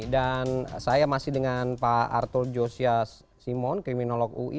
dan saya masih dengan pak arthur josias simon kriminolog ui